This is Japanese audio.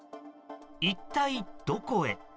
一体どこへ？